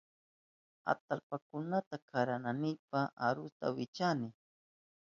Atallpakunata karanaynipa arusta wichani.